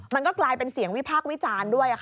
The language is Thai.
มันก็กลายเป็นเสียงวิพากษ์วิจารณ์ด้วย